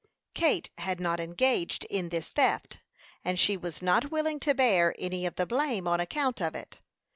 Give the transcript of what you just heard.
Kate had not engaged in this theft, and she was not willing to bear any of the blame on account of it.